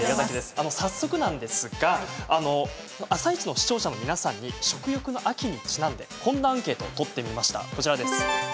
早速なんですが「あさイチ」の視聴者の皆さんに食欲の秋にちなんでこんなアンケートを取りました。